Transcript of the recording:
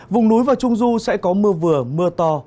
vùng núi và trung du sẽ có mưa vừa mưa to